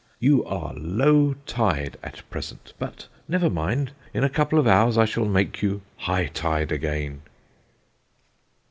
You are low tide at present; but never mind, in a couple of hours I shall make you high tide again.'"